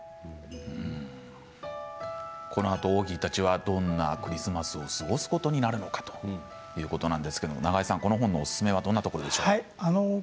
このあとオーギーたちはどんなクリスマスを過ごすことになるのかということなんですけれど永江さん、この本のおすすめポイントはどこですか。